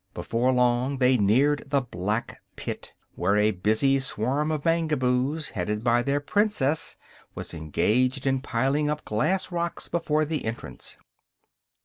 Before long they neared the Black Pit, where a busy swarm of Mangaboos, headed by their Princess, was engaged in piling up glass rocks before the entrance.